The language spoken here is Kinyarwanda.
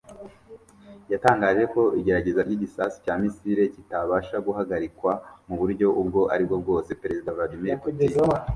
yatangaje ko igerageza ry’igisasu cya misile kitabasha guhagarikwa mu buryo ubwo ari bwo bwose Perezida Vladimir Putin